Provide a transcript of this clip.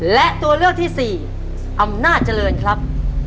และตัวเลือกที่สี่อำนาจเจริญครับ